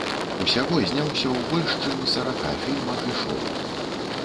Усяго зняўся ў больш чым сарака фільмах і шоў.